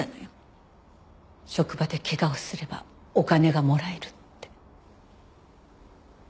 職場で怪我をすればお金がもらえるって。